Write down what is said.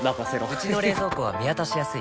うちの冷蔵庫は見渡しやすい